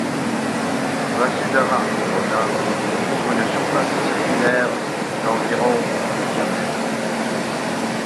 Vasudhara Corona couvre une surface circulaire d'environ de diamètre.